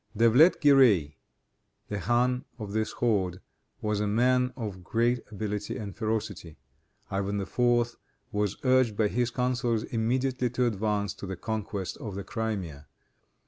Devlet Ghirei, the khan of this horde, was a man of great ability and ferocity. Ivan IV. was urged by his counselors immediately to advance to the conquest of the Crimea.